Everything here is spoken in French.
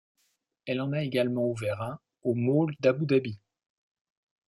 Elle en a également ouvert un au Mall d'Abou Dabi.